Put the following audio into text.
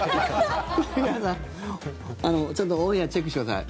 劇団さん、ちょっとオンエアチェックしてください。